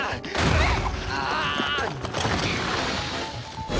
うっ！